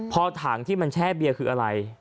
พอถังที่มันแช่เบียร์คืออะไร